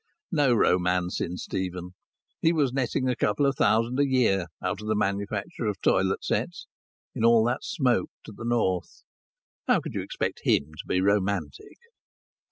(No romance in Stephen! He was netting a couple of thousand a year out of the manufacture of toilet sets, in all that smoke to the north. How could you expect him to be romantic?)